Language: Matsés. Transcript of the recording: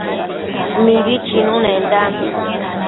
Mibi chinunendambi